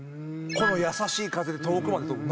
この優しい風で遠くまで届く。